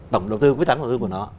tổng đầu tư quy tắc đầu tư của nó